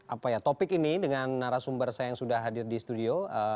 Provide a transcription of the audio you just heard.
apa ya topik ini dengan narasumber saya yang sudah hadir di studio